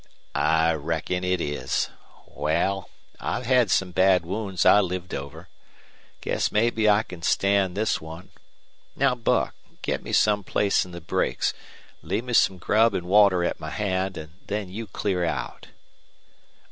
"I reckon it is. Wal, I've had some bad wounds I lived over. Guess mebbe I can stand this one. Now, Buck, get me some place in the brakes, leave me some grub an' water at my hand, an' then you clear out."